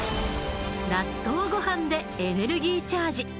納豆ゴハンでエネルギーチャージ。